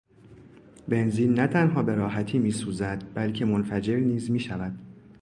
بنزین نه تنها به راحتی میسوزد بلکه منفجر نیز میشود.